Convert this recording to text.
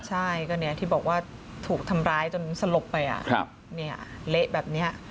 ใช่ก็เนี้ยที่บอกว่าถูกทำร้ายจนสลบไปอะครับเนี้ยเละแบบเนี้ย